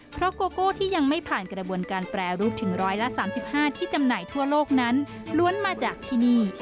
เพราะโกโก้ที่ยังไม่ผ่านกระบวนการแปรรูปถึง๑๓๕ที่จำหน่ายทั่วโลกนั้นล้วนมาจากที่นี่